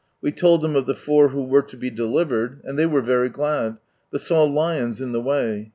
We told them of the four who were to be delivered, and they were very glad, but saw lions in the way.